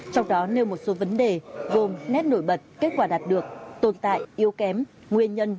trong đó nêu một số vấn đề gồm nét nổi bật kết quả đạt được tồn tại yếu kém nguyên nhân